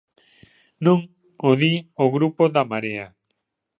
Non o di o Grupo da Marea.